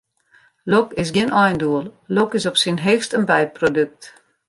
Lok is gjin eindoel, lok is op syn heechst in byprodukt.